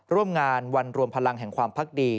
ร่วมงานวันรวมพลังแห่งความพักดี